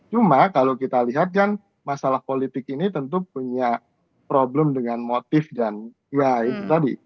cuma kalau kita lihat kan masalah politik ini tentu punya problem dengan motif dan ya itu tadi